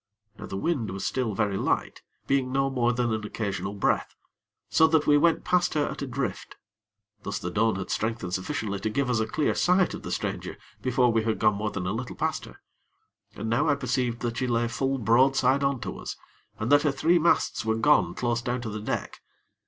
Now the wind was still very light, being no more than an occasional breath, so that we went past her at a drift, thus the dawn had strengthened sufficiently to give to us a clear sight of the stranger, before we had gone more than a little past her. And now I perceived that she lay full broadside on to us, and that her three masts were gone close down to the deck.